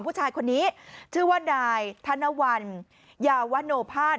ผู้ชายคนนี้ชื่อว่านายธนวัลยาวโนภาษณ